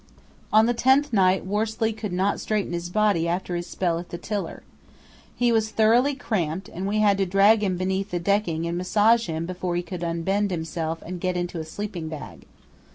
On the tenth night Worsley could not straighten his body after his spell at the tiller. He was thoroughly cramped, and we had to drag him beneath the decking and massage him before he could unbend himself and get into a sleeping bag.